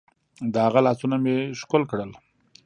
د هغه لاسونه مې ښكل كړل.